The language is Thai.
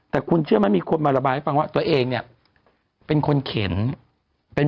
แต่คุณเชื่อมั้ยมีคนมาระบายให้ฟังว่าตัวเองเป็นคนเข็น